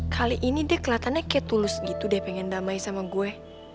kali ini dia kelihatannya kayak tulus gitu dia pengen damai sama gue